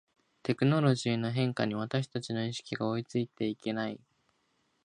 テクノロジーの変化に私たちの意識が追いついていけない